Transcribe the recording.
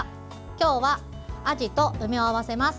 今日は、あじと梅を合わせます。